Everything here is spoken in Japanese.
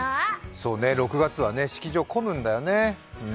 そうね、６月は式場混むんだよね。